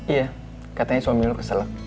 iya katanya suami lu kesel